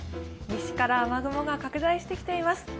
西から雨雲が拡大してきています。